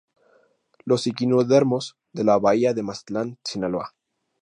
Los Equinodermos de la Bahía de Mazatlán, Sinaloa.